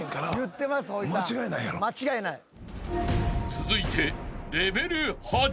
［続いて］